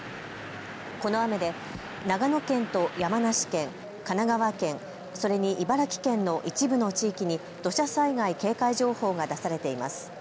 この雨で長野県と山梨県、神奈川県、それに茨城県の一部の地域に土砂災害警戒情報が出されています。